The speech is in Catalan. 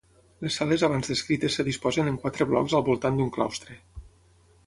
Les sales abans descrites es disposen en quatre blocs al voltant d'un claustre.